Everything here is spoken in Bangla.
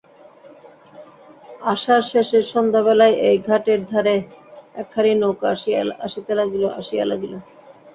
আষাঢ়শেষের সন্ধ্যাবেলায় এই ঘাটের ধারে একখানি নৌকা আসিয়া লাগিল।